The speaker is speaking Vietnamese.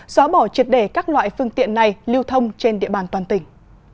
xóa bỏ triệt để các loại phương tiện này lưu thông trên địa bàn toàn tỉnh